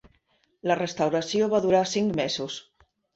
La restauració va durar cinc mesos.